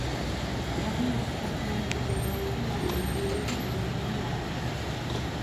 თავიანთი საქმიანობიდან გამომდინარე, ინდიელები გლეხები არიან.